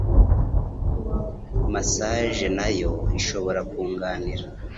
massage nayo ishobora kunganira.